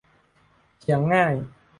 เพียงง่าย